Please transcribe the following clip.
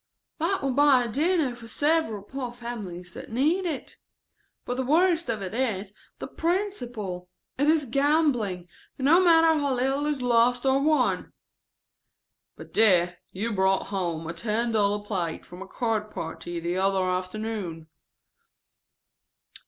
"That would buy a dinner for several poor families that need it; but the worst of it is the principle; it is gambling, no matter how little is lost or won." "But, dear, you brought home a ten dollar plate from a card party the other afternoon."